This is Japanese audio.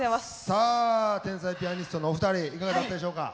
さあ天才ピアニストのお二人いかがだったでしょうか？